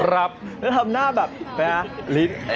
แล้วทำหน้าแบบลิ้น